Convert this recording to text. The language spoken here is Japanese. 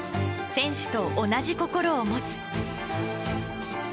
選手と同じ心を持つ。